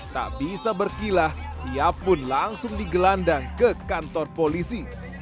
tak bisa berkilah ia pun langsung digelandang ke kantor polisi